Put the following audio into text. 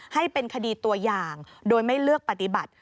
ให้เป็นคดีตัวอย่างโดยไม่เลือกปฏิบัติ